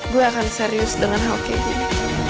gue akan serius dengan hal kayak gini